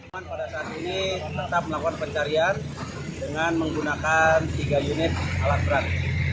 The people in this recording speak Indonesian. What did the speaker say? pada saat ini tetap melakukan pencarian dengan menggunakan tiga unit alat berat